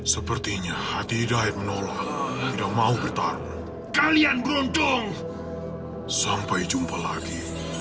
sepertinya hatida yang menolak tidak mau bertarung kalian beruntung sampai jumpa lagi